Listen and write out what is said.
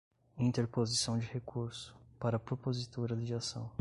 interposição de recurso, para propositura de ação